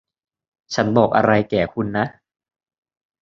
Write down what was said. ฉันบอกอะไรแก่คุณนะ